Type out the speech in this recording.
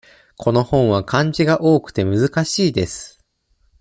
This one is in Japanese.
この本は漢字が多くて難しいです。